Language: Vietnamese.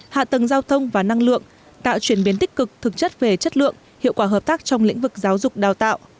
hạ tầng giao thông và năng lượng tạo chuyển biến tích cực thực chất về chất lượng hiệu quả hợp tác trong lĩnh vực giáo dục đào tạo